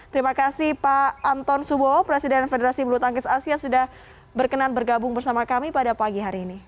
terima kasih pak anton subowo presiden fbb asia sudah berkenan bergabung bersama kami pada pagi hari ini